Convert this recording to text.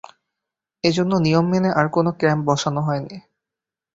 এ জন্য নিয়ম মেনে আর কোনো ক্যাম্প বসানো হয়নি।